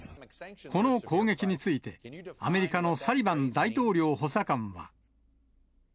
この攻撃について、アメリカのサリバン大統領補佐官は。